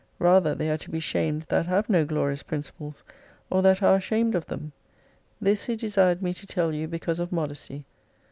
Rather they are to be shamed that have no glorious principles, or that are ashamed of them. This he desired me to tell you because of modesty.